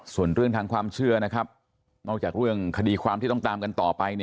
ส่วนเรื่องทางความเชื่อนะครับนอกจากเรื่องคดีความที่ต้องตามกันต่อไป